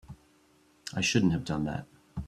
I shouldn't have done that.